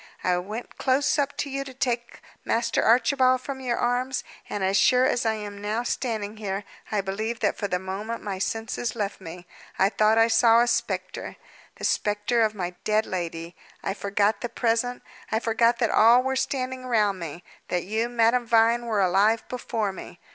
I went close up to you to take Master Archibald from your arms; and, as sure as I am now standing here, I believe that for the moment my senses left me. I thought I saw a spectre the spectre of my dead lady. I forgot the present; I forgot that all were standing round me; that you, Madame Vine, were alive before me.